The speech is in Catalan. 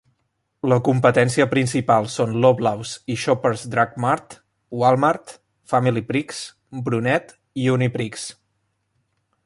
La competència principal són Loblaws i Shoppers Drug Mart, Wal-Mart, Familiprix, Brunet i Uniprix.